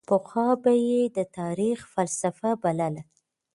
پخوا به یې د تاریخ فلسفه بلله.